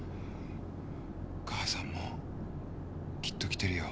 母さんもきっと来てるよ。